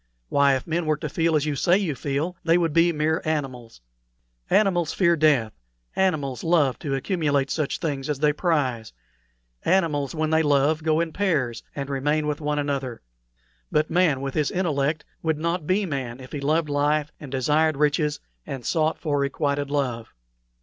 Why, if men were to feel as you say you feel, they would be mere animals. Animals fear death; animals love to accumulate such things as they prize; animals, when they love, go in pairs, and remain with one another. But man, with his intellect, would not be man if he loved life and desired riches and sought for requited love."